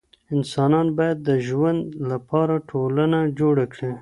انسانان بايد د ژوند لپاره ټولنه جوړ کړي.